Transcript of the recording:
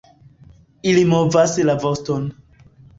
Ili movas la voston.